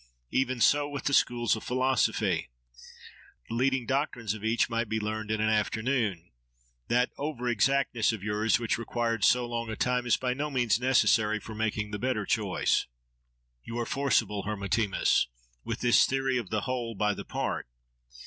Even so with the schools of philosophy:—the leading doctrines of each might be learned in an afternoon. That over exactness of yours, which required so long a time, is by no means necessary for making the better choice. —You are forcible, Hermotimus! with this theory of The Whole by the Part.